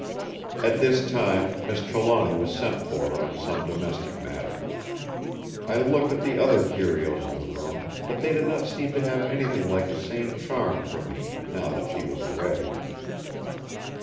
At this time Miss Trelawny was sent for on some domestic matter. I looked at the other curios in the room; but they did not seem to have anything like the same charm for me, now that she was away.